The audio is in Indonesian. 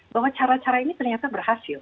bahwa cara cara ini ternyata berhasil